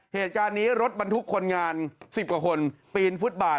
เหตุการณ์นี้รถบรรทุกคนงาน๑๐กว่าคนปีนฟุตบาท